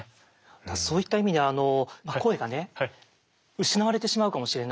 そういった意味で声がね失われてしまうかもしれない。